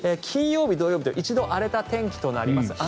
金曜日、土曜日と一度荒れた天気となります。